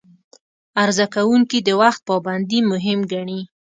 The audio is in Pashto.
عرضه کوونکي د وخت پابندي مهم ګڼي.